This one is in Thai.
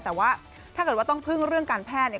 แต่ว่าถ้าเกิดว่าต้องพึ่งเรื่องการแพทย์เนี่ย